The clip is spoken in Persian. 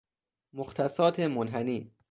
مختصات منحنی